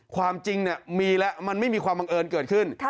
ความจริงมีแล้วมันไม่มีความบังเอิญเกิดขึ้น